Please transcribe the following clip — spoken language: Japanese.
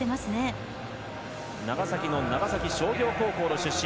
長崎の長崎商業高校出身。